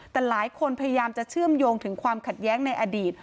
แต่หลายคนพยายามจะเชื่อมโยงถึงความขัดแย้งในอดีต